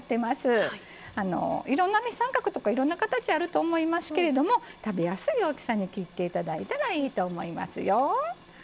いろんなね三角とかいろんな形あると思いますけれども食べやすい大きさに切って頂いたらいいと思いますよ。